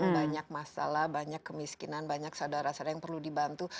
banyak masalah banyak kemiskinan banyak saudara sadar yang perlu dibantu